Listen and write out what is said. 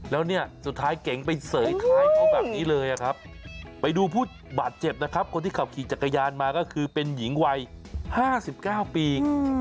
แล้วเนี่ยสุดท้ายเก๋งไปเสยท้ายเขาแบบนี้เลยครับไปดูผู้บาดเจ็บนะครับคนที่ขับขี่จักรยานมาก็คือเป็นหญิงวัย๕๙ปี